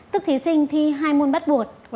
tức thí sinh thi hai môn bắt buộc